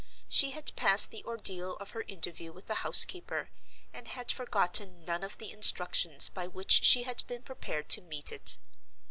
She had passed the ordeal of her interview with the housekeeper, and had forgotten none of the instructions by which she had been prepared to meet it.